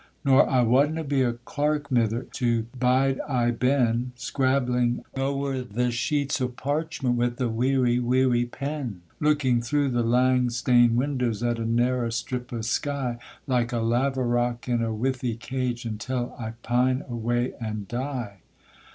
Nor I wadna be a clerk, mither, to bide aye ben, Scrabbling ower the sheets o' parchment with a weary weary pen; Looking through the lang stane windows at a narrow strip o' sky, Like a laverock in a withy cage, until I pine away and die.